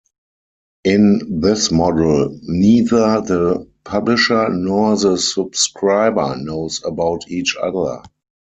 In this model, neither the "publisher" nor the subscriber knows about each other.